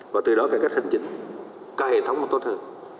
và từ đó cải cách hành chính ca hệ thống cũng tốt hơn